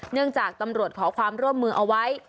เนื่องจากตำรวจขอความร่วมมือเอาไว้